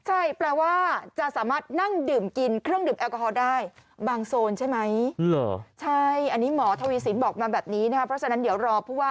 อ้าวไม่ใช่แผงจังหวัดเหรอ